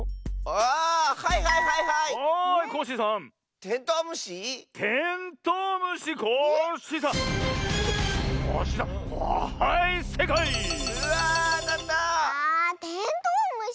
あテントウムシかあ。